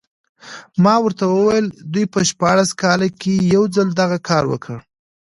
ما ورته وویل دوی په شپاړس کال کې یو ځل دغه کار وکړ.